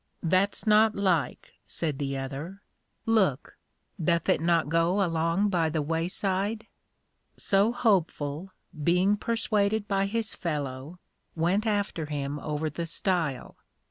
That's not like, said the other; look, doth it not go along by the way side? So Hopeful, being persuaded by his fellow, went after him over the Stile.